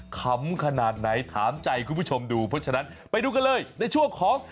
ขำขนาดไหนถามใจคุณผู้ชมดูเพราะฉะนั้นไปดูกันเลยในช่วงของ